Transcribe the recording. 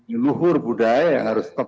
leluhur budaya yang harus tetap